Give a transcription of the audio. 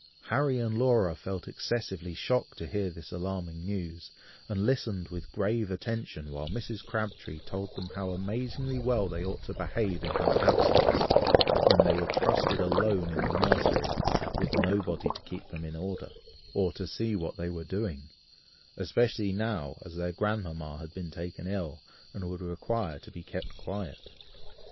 Harry and Laura felt excessively shocked to hear this alarming news, and listened with grave attention, while Mrs. Crabtree told them how amazingly well they ought to behave in her absence, when they were trusted alone in the nursery, with nobody to keep them in order, or to see what they were doing, especially now, as their grandmama had been taken ill, and would require to be kept quiet.